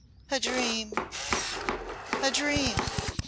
a dream! a dream!"